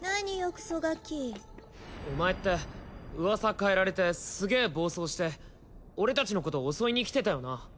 クソガキお前って噂変えられてすげえ暴走して俺達のことを襲いに来てたよな？